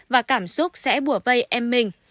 và cảm xúc sẽ bùa vây em mình